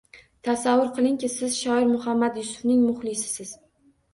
– Tasavvur qilingki, siz – shoir Muhammad Yusufning muxlisisiz.